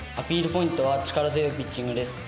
ポイントは力強いピッチングです。